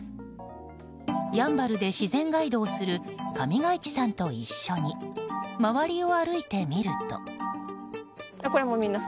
やんばるで自然ガイドをする上開地さんと一緒に周りを歩いてみると。